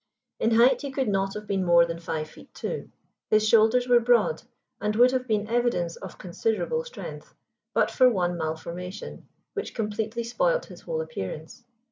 In height he could not have been more than five feet two. His shoulders were broad, and would have been evidence of considerable strength but for one malformation, which completely spoilt his whole appearance.